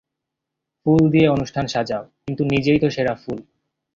ফুল দিয়ে অনুষ্ঠান সাজাও, কিন্তু নিজেই তো সেরা ফুল।